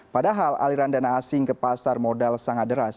padahal aliran dana asing ke pasar modal sangat deras